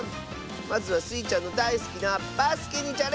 まずはスイちゃんのだいすきなバスケにチャレンジ！